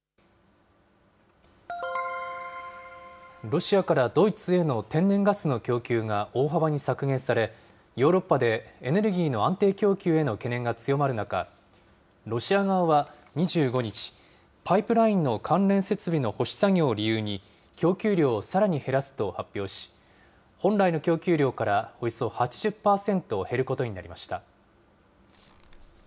ロシアからドイツへの天然ガスの供給が大幅に削減され、ヨーロッパでエネルギーの安定供給への懸念が強まる中、ロシア側は２５日、パイプラインの関連設備の保守作業を理由に、供給量をさらに減らすと発表し、本来の供給量からおよそ８０％減ることになりました。